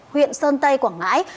huyện sơn tây quảng ngãi